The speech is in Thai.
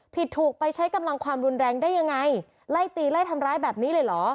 ผิดถูกไปใช้กำลังความรุนแรงได้ยังไงไล่ตีไล่ทำร้ายแบบนี้เลยเหรอ